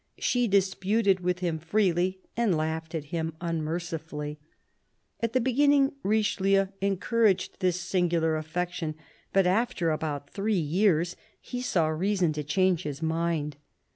She disputed with him freely and laughed at him unmercifully. At the beginning Richelieu encouraged this singular affection. But after about three years he saw reason to change his mind.